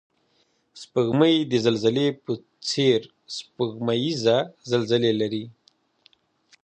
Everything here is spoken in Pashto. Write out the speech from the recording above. سپوږمۍ د زلزلې په څېر سپوږمیزې زلزلې لري